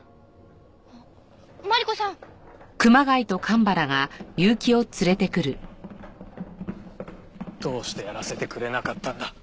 あっマリコさん！どうしてやらせてくれなかったんだ。